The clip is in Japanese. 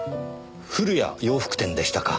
古谷洋服店でしたか。